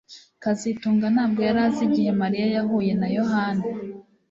kazitunga ntabwo yari azi igihe Mariya yahuye na Yohana